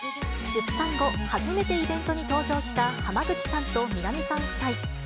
出産後初めてイベントに登場した濱口さんと南さん夫妻。